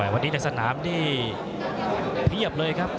วันนี้ในสนามนี่เพียบเลยครับ